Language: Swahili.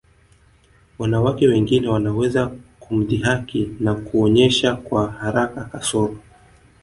Wanawake wengine wanaweza kumdhihaki na kuonyesha kwa haraka kasoro